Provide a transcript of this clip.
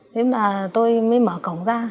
thế là tôi mới mở cổng ra